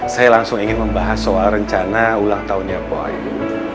saya langsung ingin membahas soal rencana ulang tahunnya poa ini